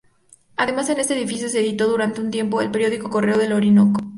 Además, en este edificio se editó durante un tiempo el periódico "Correo del Orinoco".